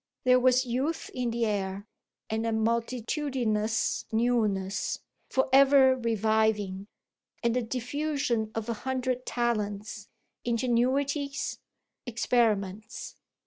There was youth in the air, and a multitudinous newness, for ever reviving, and the diffusion of a hundred talents, ingenuities, experiments.